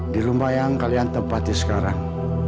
di rumah yang kalian tempati sekarang